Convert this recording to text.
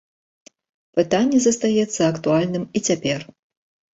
Пытанне застаецца актуальным і цяпер.